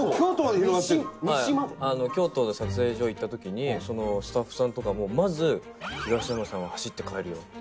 京都の撮影所行った時にスタッフさんとかもまず東山さんは走って帰るよって。